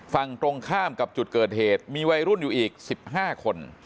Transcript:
ฝั่งตรงข้ามกับจุดเกิดเหตุมีวัยรุ่นอยู่อีก๑๕คน